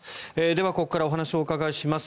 ではここからお話をお伺いします。